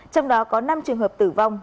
trong đó có năm trường hợp tử vong